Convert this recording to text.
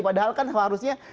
padahal kan seharusnya